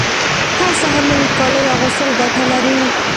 هر سهار نوي کالیو اغوستل ګټه لري